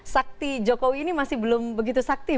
sakti jokowi ini masih belum begitu sakti